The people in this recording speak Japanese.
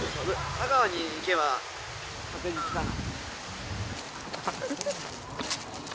佐川に行けば確実かな？